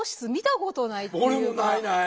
俺もないない。